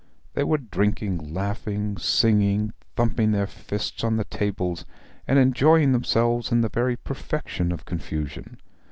They were drinking, laughing, singing, thumping their fists on the tables, and enjoying themselves in the very perfection of confusion.